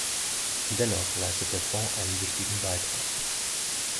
Dennoch leistet der Fonds einen wichtigen Beitrag.